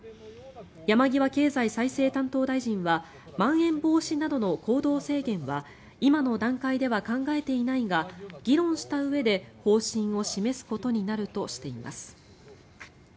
山際経済再生担当大臣はまん延防止などの行動制限は今の段階では考えていないが議論したうえで方針を示すことになるとしています。